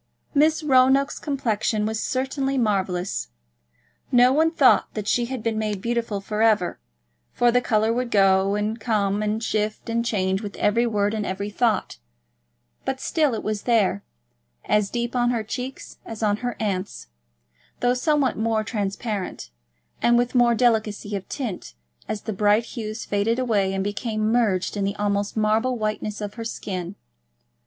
Miss Roanoke's complexion was certainly marvellous. No one thought that she had been made beautiful for ever, for the colour would go and come and shift and change with every word and every thought; but still it was there, as deep on her cheeks as on her aunt's, though somewhat more transparent, and with more delicacy of tint as the bright hues faded away and became merged in the almost marble whiteness of her skin.